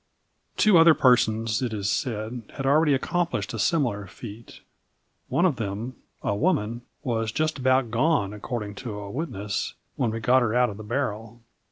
Two other persons, it is said, had already accomplished a similar feat. One of them, a woman, "was just about gone," according to a witness, "when we got her out of the barrel."